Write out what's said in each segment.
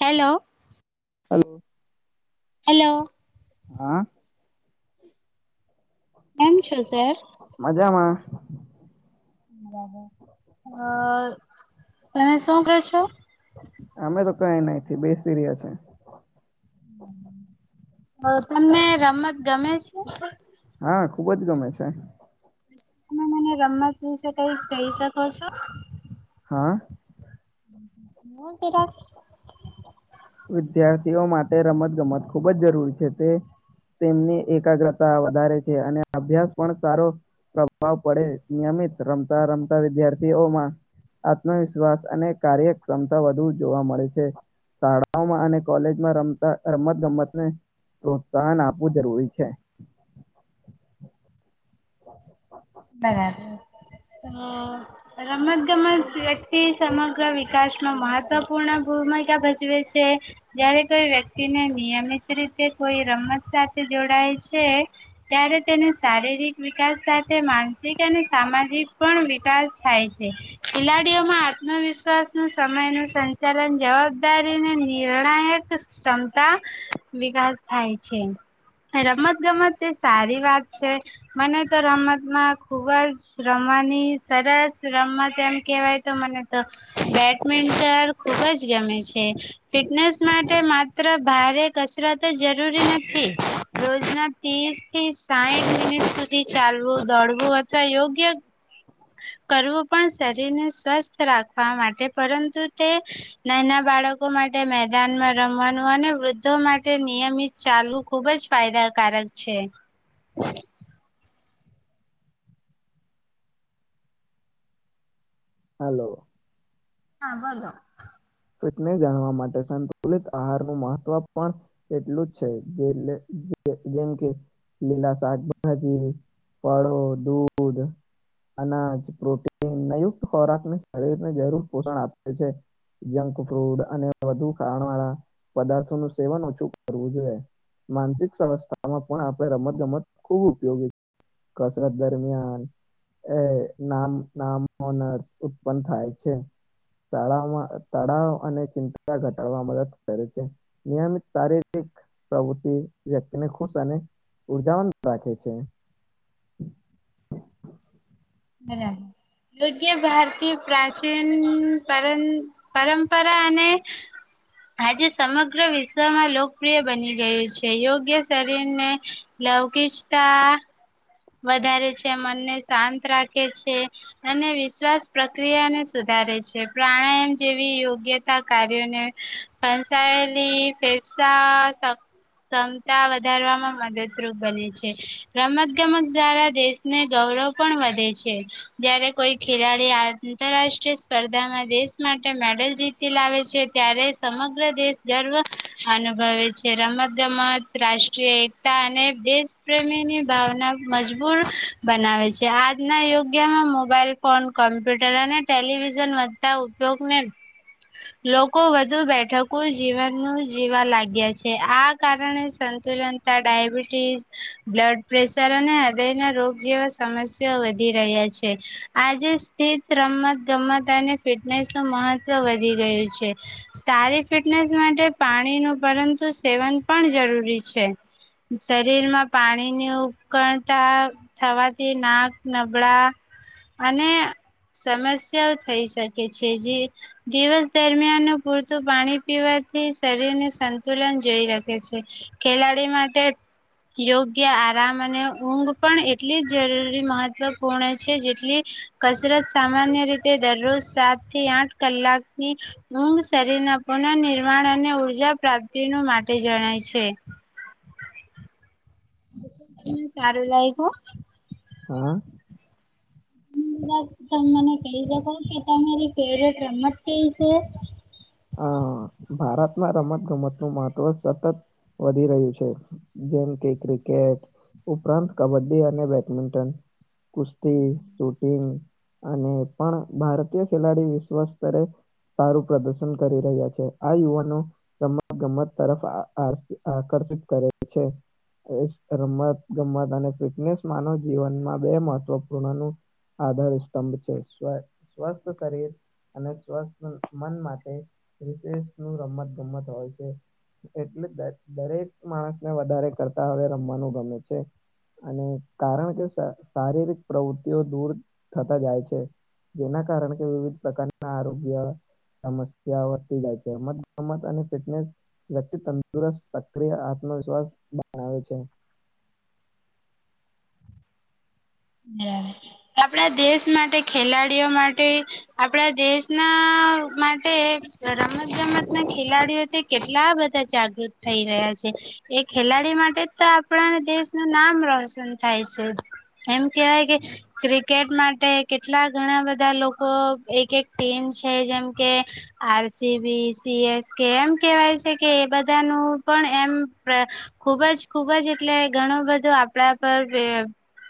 Hello hello hello હા કેમ છો સર? મજામાં બરાબર અમે તો કઈ નયથી બેસી રહ્યા છે. તમને રમત ગમે છે. હા ખુબજ ગમે છે. તમે મને રમત વિશે કઈક કઈ શકો છો હા મો [unintelligible] વિદ્યાર્થીઓ માટે રમત ગમત ખૂબ જ જરૂરી છે તે તેમની એકાગ્રતા વધારે છે અને અભ્યાસ પણ સારો પ્રભાવ પડે નિયમિત રમતા રમતા વિદ્યાર્થીઓમાં આત્મવિશ્વાસ અને કાર્યક્ષ્મતા વધુ જોવા મળે છે શાળા શાળાઓમાં અને કોલેજમાં ર રમતગમતને પ્રોત્સાહન આપવું જરૂરી છે બરાબ રમત ગમત વ્યક્તિ સમગ્ર વિકાસમાં મહત્વપૂર્ણ ભૂમિકા ભજવે છે જારે કોઈ વ્યક્તિને નિયમિત રીતે કોઈ રમત સાથે જોડાય છે ત્યારે તેને શારીરિક વિકાસ સાથે અને સામાજિક પણ વિકાસ થાય છે ખેલાડીઓમાં આત્મવિશ્વાસ ન સમય નું સંચાલન જવાબદારી અને નિર્ણાયક ક્ષમતા વિકાસ થાય છે રમત ગમત તે સારી વાત છે મને તો રમત માં ખુબ જ રમવાની સરસ રમત એમ કેહેવાય તો મને તો બેડમિન્ટન ખુબજ ગમે છે ફિટનેસ માટે માત્ર ભારે કસરત જરૂરી નથી રોજના ત્રીસ થી સાઠ મિનિટ સુધી ચાલવું દોડવું અથવા યોગ્ય કરવું પણ શરીરને સ્વસ્થ રાખવા માટે પરંતુ તે નાના બાળકો માટે મેદાનમાં રમવાનું અને વૃદ્ધો માટે નિયમિત ચાલવું ખૂબ જ ફાયદાકારક છે હલો હા હલો ફિટને જાણવા માટે સંતુલિત આહાર નું મહત્વ પણ એટલું જ છે જે જેમ કે લીલા શાકાભાજી ફળો દૂધ અનાજ પ્રોટીનયુક્ત ખોરાક શરીરને જરૂર પોષણ આપે છે જંક ફૂડ અને વધુ ખાણ વાળા પદાર્થોઓનું સેવન ઓછું કરવું જોઈએ માનસિક સંવસ્થામાં પણ આપણે રમત ગમત ખૂબ ઉપયોગી કસરત દરમિયાન એ નામ નામ ઓનર્ ઉત્પન્ન થાય છે શાળામાં તળાવ અને ચિંતા ઘટાડવા મદદ કરે છે નિયમિત શારીરિક પ્રવૃતિ વ્યક્તિને ખુશ અને ઉર્જાવન રાખે છે બરાબર યોગ્ય ભારતી પ્રાચીન પર પરંપરા અને આજે સમગ્ર વિશ્વમાં લોકપ્રિય બની ગયું છે યોગ્ય શરીરને લવકીચતા વધારે છે મનને શાંત રાખે છે અને વિશ્વાસ પ્રક્રિયાને સુધારે છે પ્રાણાયામ જેવી યોગ્યતા કાર્યોને સાયેલી ફેસા ક્ષમતા વધારવામાં મદદરૂપ બને છે રમત ગમત દ્વારા દેશને ગૌરવ પણ વધે છે જયયારે કોઈ ખેલાડી આ આંતરરાષ્ટ્રીય સ્પર્ધામાં દેશ માટે મેડલ જીતી લાવે છે ત્યારે સમગ્ર દેશ ગર્વ અનુભવે છે રમતગમત રાષ્ટ્રીય એકતા અને દેશ પ્રેમીની ભાવના મજબૂર બનાવે છે આજના યોગ્યમાં મોબાઈલ ફોન, કોમ્પ્યુટર અને ટેલિવિઝન વધતા ઉપયોગને લોકો વધુ બેઠકું જીવનનું જીવા લાગ્યા છે આ કારણે સંતુલનતા ડાયબિટીસ, બ્લડપ્રેશ હૃદયના રોગ જેવા સમસ્યા વધી રહ્યા છે આજે સ્થિત રમતગમત અને ફિટનેસનું મહત્વ વધી ગયું છે સારી ફિટનેસ માટે પાણીનું પરંતુ સેવન પણ જરૂરી છે શરીરમાં પાણીનું થવાથી નાક નબળા અને સમસ્યાઓ થઈ શકે છે જે દિવસ દરમિયાન પૂરતું પાણી પીવાથી શરીરને સંતુલન જોઈ રાખે છે ખેલાડી માટે યોગ્ય આરામ અને ઊંઘ પણ એટલી જ જરૂરી મહત્વપૂર્ણ છે જેટલી કસરત સામાન્ય રીતે દરરોજ સાતથી આઠ કલાકની ઊંઘ શરીરના પુન નિર્માણ અને ઉર્જા પ્રાપ્તિ માટે જણાય છે. સારું લાયગુ. હા. તમે મને કહી શકો કે તમારી ફેવરેટ રમત કઈ છે? હ ભારતમાં રમતગમતનું મહત્વ સતત વધી રહ્યું છે જેમ કે ક્રિકેટ ઉપરાંત કબડ્ડી અને બેડમિન્ટન કુસ્તી, શૂટિંગ અને એ પણ ભારતીય ખેલાડી વિશ્વસ્તરે સારું પ્રદ ર્શન કરી રહ્યા છે આ યુવાનો રમતગમત તરફ આ આકર્ષિત કરે છે રમતગમત અને ફિટનેસ માનવ જીવનમાં બે મહત્વપૂર્ણનું આધાર સ્તંભ છે સ્વ સ્વસ્થ શરીર અને સ્વસ્થ મન માટે વિશેષનુ રમતગમત હોય છે એટલે દ દરેક માણસને વધારે કરતા હવે રમવાનું ગમે છે અને કારણ કે શારીરિક પ્રવૃતિઓ દૂર થતા જાય છે જેના કારણ કે વિવિધ પ્રકારના આરોગ્ય સમસ્ યાં વધતી જાય છે રમતગમત અને ફિટનેસ વ્યક્તિ તંદુરસ્ત સક્રિય આત્મવિશ્વાસ બનાવે છે. બરાબર આપણા દેશ માટે ખેલાડીઓ માટે આપણા દેશના માટે રમતગમતના ખેલાડીઓથી કેટલા બધા જાગૃત થઈ રહ્યા છે એ ખેલાડી માટે તો આપણા દેશનું નામ રોશન થાય છે કેમ કેવાય કે ક્રિકેટ માટે કેટલા ઘણા બધા લોકો એક ટીમ છે જેમ કે R C B, C S K એમ કહેવાય છે કે એ બધાનું પણ એમ ખુબ જ ખુબ જ એટલે ઘણું બધું આપડા પર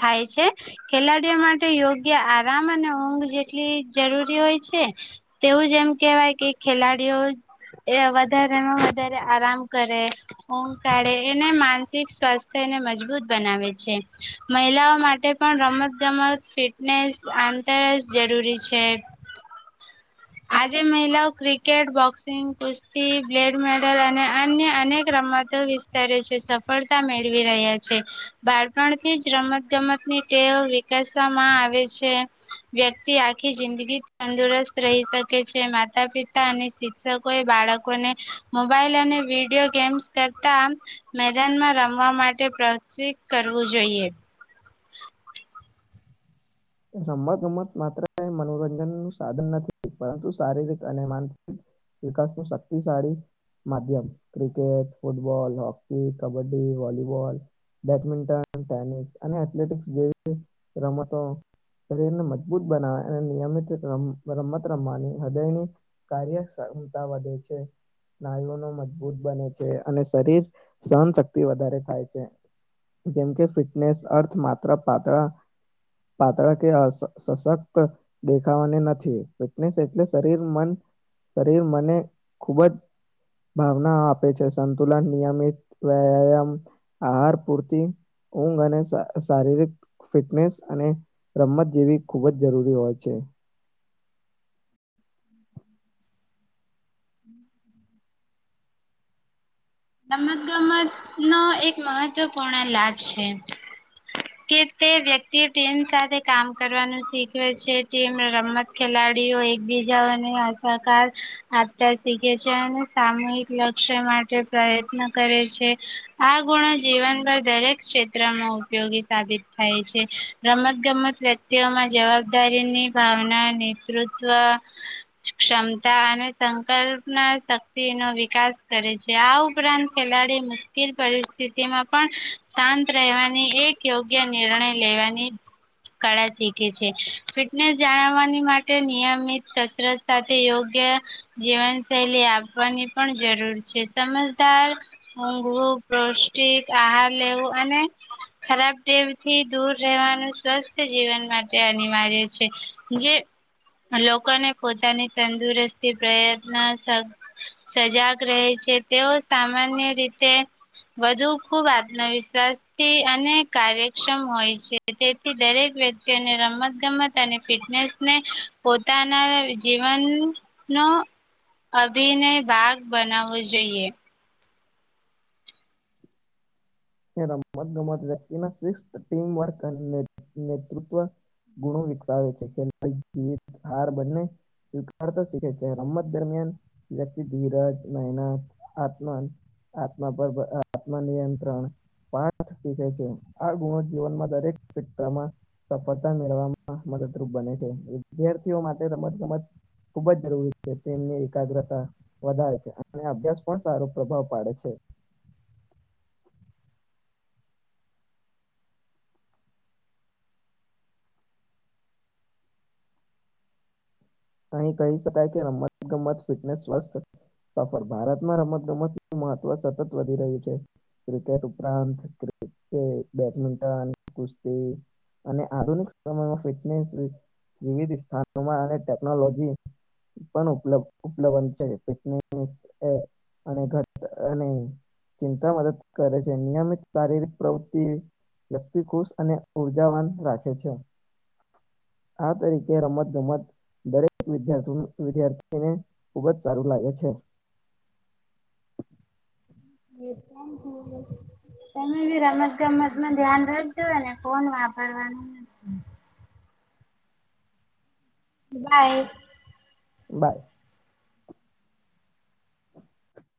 થાય છે. ખેલાડીઓ માટે યોગ્ય આરામ અને ઊંઘ જેટલી જરૂરી હોય છે તેવું જ એમ કહેવાય કે ખેલાડીઓ વધારેમાં વધારે આરામ કરે ઊંઘ કાઢે એને માનસિક સ્વાસ્થ્યને મજબૂત બનાવે છે મહિલાઓ માટે પણ રમતગમત ફિટનેસ આંતર જ જરૂરી છે. આજે મહિલાઓ ક્રિકેટ, બોક્સિંગ, કુસ્તી, બ્લેડ મેડલ અને અન્ય અનેક રમતો વિસ્તરે છે સફળતા મેળવી રહ્યા છે બાળપણથી જ રમતગમતની ટેવ વિકસવામાં આવે છે વ્યક્તિ આખી જિંદગી તંદુરસ્ત રહી શકે છે માતા પિતા અને શિક્ષકો મએ બાળકોને મોબાઈલ અને વિડીયો ગેમ્સ કરતા મેદાનમાં રમવા મા પ્રોતસિત કરવું જોઈએ. રમતગમત માત્ર મનોરંજનનું સાધન નથી પરંતુ શારીરિક અને માનસિક વિકાસનું શક્તિશાળી માધ્યમ cricket, football, hockey, kabaddi, volleyball badminton, tennis અને એથલેટિકસ જેવી રમતો શરીરને મજબૂત બનાવવા અને નિયમિત ર રમત રમવાની હૃદયની કાર્યક્ષમતા વધે છે નાયઓનો મજબૂત બને છે અને શરીર સહનશક્તિ વધારે થાય છે જેમકે ફિટનેસ અર્થ માત્ર પાતળા પાતળા કે સશક્ત દેખાવાને નથી ફિટનેસ એટલે શરીર, મન શરીર મને ખૂબ જ ભાવના આપે છે સંતુલન નિયમિત વ્યામ, આહાર, પૂરતી ઊંઘ અને શારીરિક ફિટનેસ અને રમત જેવી ખૂબ જ જરૂરી હોય છે. હમ રમતગમતનો એક મહત્વપૂર્ણ લાભ છે કે તે વ્યક્તિ ટીમ સાથે કામ કરવાનું શીખવે છે ટીમ રમત ખેલાડીઓ એકબીજાને અધાકાર આપતા શીખે છે અને સામૂહિક લક્ષ્ય માટે પ્રયત્ન કરે છે આ ગુણો જીવનભર દરેક ક્ષેત્રમાં ઉપયોગી સાબિત થાય છે રમતગમત વ્યક્તિઓમાં જવાબદારીની ભાવના, નેતૃત્વ ક્ષમતા અને સંકલ્પના શક્તિનો વિકાસ કરે છે. આ ઉપરાંત ખેલાડી મુશ્કેલ પરિસ્થિતિમાં પણ શાંત રહેવાની, એક યોગ્ય નિર્ણય લેવાની કળા શીખે છે ફિટનેસ જાણવવાની માટે નિયમિત કસરત સાથે યોગ્ય જીવનશૈલી આપવાની પણ જરૂર છે. સમજદાર ઊઘવું, પૌષ્ટિક આહાર લેવું અને ખરાબ ટેવથી દૂર રહેવાનું સ્વસ્થ જીવન માટે અનિવાર્ય છે જે લોકોને પોતાની તંદુરસ્તી પ્રયત્ન સ સજાગ રહે છે. તેઓ સામાન્ય રીતે વધુ ખૂબ આત્મવિશ્વાસથી અને કાર્યક્ષમ હોય છે તેથી દરેક વ્યક્તિઓને રમતગમત અને ફિટનેસને પોતાના જીવનનો અભિનય ભાગ બનાવવો જો જોઈએ. રમતગમત વ્યક્તિમા શિસ્ત ટીમવર્ક નેતૃત્વ ગુણો વિકસાવે છે તેમજ જીત, હાર બંને સ્વીકારતા શીખે છે રમત દરમિયાન વ્યક્તિ ધીરજ, મહેનત, આત્મા આમા પર આત્મનિયંત્રણ પાઠ શીખે છે આ ગુણો જીવનમાં દરેક ક્ષેત્રમાં સફળતા મેળવામાં મદદરૂપ બને છે વિદ્યાર્થીઓ માટે રમતગમત ખૂબ જ જરૂરી છે તેમની એકાગ્રતા વધારે છે અને અભ્યાસ પર સારો પ્રભાવ પાડે છે. અહીં કહી શકાય કે રમતગમત ફિટનેસ સ્વસ્થ સફર ભારતમાં રમતગમત મહત્વ સતત વધી રહ્યું છે ક્રિકેટ ઉપરાંત બેડમિન્ટન, કુસ્તી અને આધુનિક સમયમાં ફિટનેસ વિવિધ સ્થાનોમાં અને ટે ક્નોલોજી પણ ઉપલ ઉપલબ્ધ છે અને ઘ ચિંતા મદદ કરે છે નિયમિત શારીરિક પ્રવૃતિ વ્યક્તિ ખુશ અને ઉર્જાવાન રાખે છે આ તરીકે રમતગમત દરેક વિદ્યાથી વિદ્યાર્થીને ખૂબ જ સારું લાગે છે. [unintelligible] એ તમે બી રમતગમતમાં ધ્યાન રાખજો ને ફોન વાપરવાનું નથી. બાય. બાય.